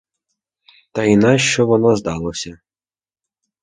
Та й на що воно здалося?